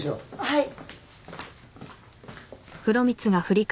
はい。